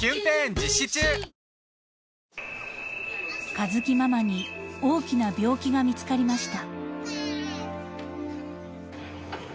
［佳月ママに大きな病気が見つかりました］